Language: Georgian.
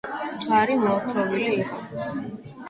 ჯვარი მოოქროვილი იყო.